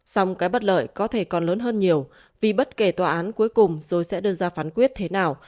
xong cái bất lợi có thể còn lớn hơn nhiều vì bất kể tòa án cuối cùng rồi sẽ đưa ra phán quyết thế nào